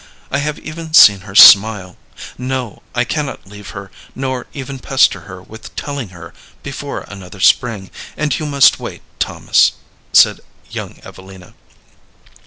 I have even seen her smile. No, I cannot leave her, nor even pester her with telling her before another spring, and you must wait, Thomas," said young Evelina.